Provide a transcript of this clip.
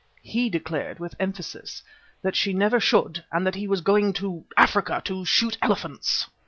He declared with emphasis that she never should and that he was going to Africa to shoot elephants.